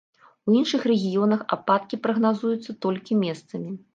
У іншых рэгіёнах ападкі прагназуюцца толькі месцамі.